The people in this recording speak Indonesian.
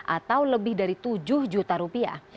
atau lebih dari tujuh juta rupiah